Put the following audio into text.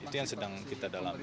itu yang sedang kita dalami